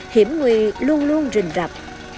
hiểm nguy luôn luôn rình rập